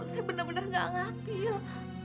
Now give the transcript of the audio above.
saya bener bener gak ngambil